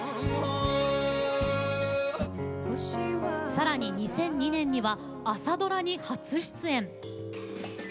さらに２００２年には朝ドラに初出演。